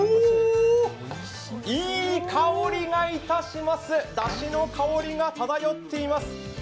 いい香りがいたします、だしの香りが漂っています。